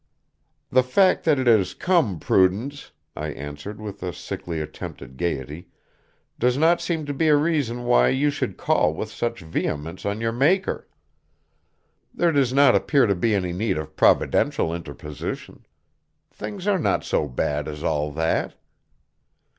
"The fact that it has come, Prudence," I answered with a sickly attempt at gayety, "does not seem to be a reason why you should call with such vehemence on your Maker. There does not appear to be any need of Providential interposition. Things are not so bad as all that."